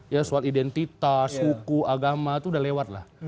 ya soal identitas hukum agama itu udah lewatlah